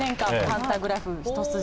パンタグラフ一筋。